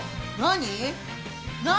何？